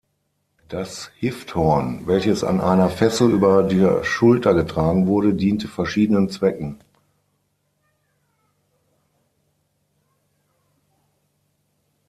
Das Hifthorn, welches an einer Fessel über der Schulter getragen wurde, diente verschiedenen Zwecken.